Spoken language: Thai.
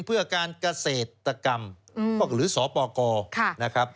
เพื่อการเกษตรกรรมหรือสปกรนะครับ